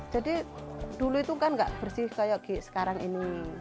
jadi dulu itu kan gak bersih kayak sekarang ini